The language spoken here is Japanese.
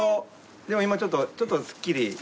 でも今ちょっとちょっとスッキリ。